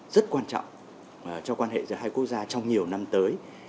rất quan trọng cho quan hệ giữa hai quốc gia trong nhiều năm tới